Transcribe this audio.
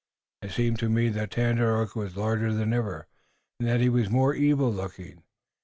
It seemed to Robert that Tandakora was larger than ever, and that he was more evil looking.